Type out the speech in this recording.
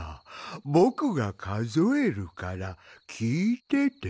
ぼくがかぞえるからきいてて。